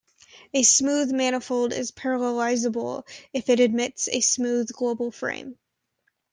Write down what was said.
A smooth manifold is parallelizable if it admits a smooth global frame.